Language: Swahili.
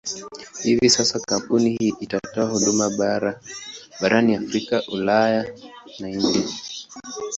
Hivi sasa kampuni hii inatoa huduma barani Afrika, Ulaya na India.